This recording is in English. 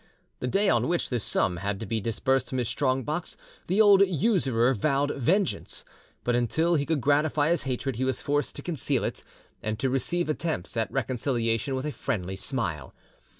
The day on which this sum had to be disbursed from his strong box the old usurer vowed vengeance, but until he could gratify his hatred he was forced to conceal it, and to receive attempts at reconciliation with a friendly smile.